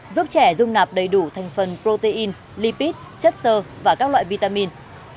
giúp trẻ dung nạp đầy đủ thành phần protein lipid chất sơ và các loại vitamin